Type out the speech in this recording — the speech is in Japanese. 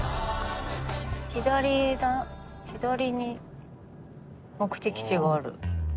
左左に目的地がある。